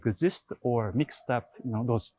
dan mereka berkembang atau berkumpul